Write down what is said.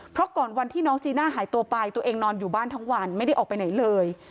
เพราะก่อนวันที่น้องจีน่าหายตัวไปตัวเองนอนอยู่บ้านทั้งวันไม่ได้ออกไปไหนเลย